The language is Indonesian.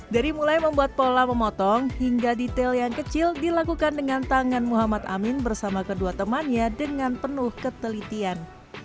dari mulai membuat pola memotong hingga detail yang kecil dilakukan dengan tangan muhammad amin bersama kedua temannya dengan penuh ketelitian